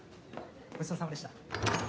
ごちそうさまでした。